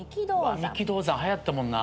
うわ三木道三はやったもんな。